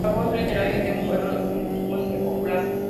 La voz literaria de un pueblo es su poesía popular.